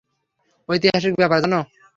ঐতিহাসিক ব্যাপার, জানো?